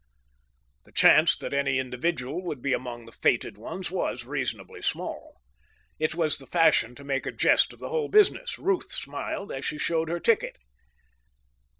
The chance that any individual would be among the fated ones was reasonably small. It was the fashion to make a jest of the whole business. Ruth smiled as she showed her ticket.